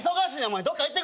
どっか行ってくれ！